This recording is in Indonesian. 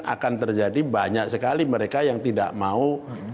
akan terjadi banyak sekali mereka yang tidak mau